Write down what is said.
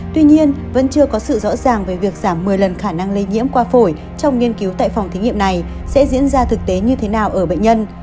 tuy nhiên vẫn chưa có sự rõ ràng về việc giảm một mươi lần khả năng lây nhiễm qua phổi trong nghiên cứu tại phòng thí nghiệm này sẽ diễn ra thực tế như thế nào ở bệnh nhân